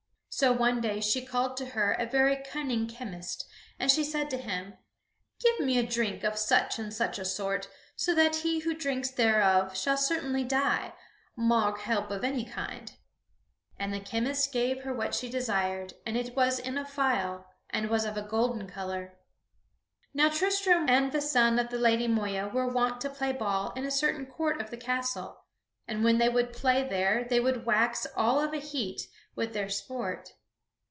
So one day she called to her a very cunning chemist and she said to him: "Give me a drink of such and such a sort, so that he who drinks thereof shall certainly die, maugre help of any kind." And the chemist gave her what she desired, and it was in a phial and was of a golden color. [Sidenote: The Lady Moeya devises mischief against Tristram] Now Tristram and the son of the Lady Moeya were wont to play ball in a certain court of the castle, and when they would play there they would wax all of a heat with their sport.